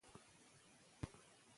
د کینې له امله د ملګرو اړیکې خرابېږي.